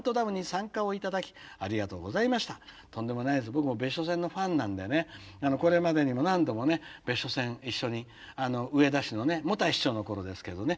僕も別所線のファンなんでこれまでにも何度もね別所線一緒に上田市の母袋市長の頃ですけどね